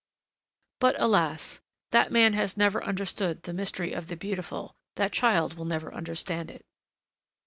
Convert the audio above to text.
But, alas! that man has never understood the mystery of the beautiful, that child will never understand it!